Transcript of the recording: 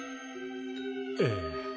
ええ。